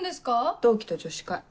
同期と女子会。